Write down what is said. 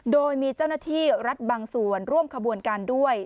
โดยมีเจ้าหน้าที่รัฐบางส่วนร่วมขบวนการด้วย